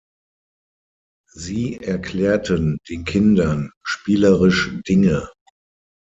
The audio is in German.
Sie erklärten den Kindern spielerisch Dinge.